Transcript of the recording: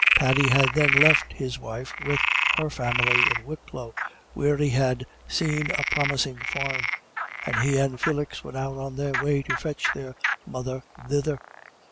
Paddy had then left his wife with her family in Wicklow, where he had seen a promising farm; and he and Felix were now on their way to fetch their mother thither.